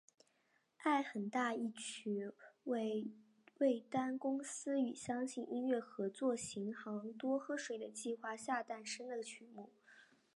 爱很大一曲为味丹公司与相信音乐合作行销多喝水的计划下诞生的曲目。